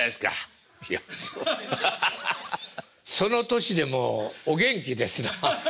いやそその年でもお元気ですな。